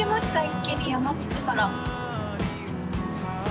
一気に山道から。